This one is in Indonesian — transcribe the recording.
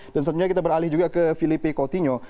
dan setelah itu kita beralih juga ke filipe coutinho